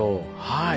はい。